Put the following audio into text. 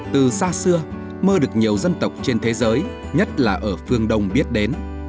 từ xa xưa mơ được nhiều dân tộc trên thế giới nhất là ở phương đông biết đến